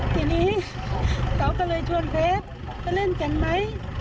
ทีนี้เขาก็เลยชวนเพชรไปเล่นกันไหม